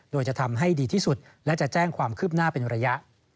โดยจะทำให้ดีที่สุดและจะแจ้งความคืบหน้าเป็นระยะ